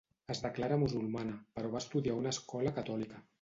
Es declara musulmana, però va estudiar a una escola catòlica.